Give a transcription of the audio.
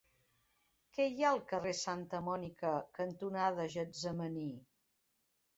Què hi ha al carrer Santa Mònica cantonada Getsemaní?